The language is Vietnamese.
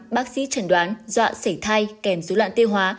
bác sĩ chẩn đoán doạ sảy thai kèm dấu loạn tiêu hóa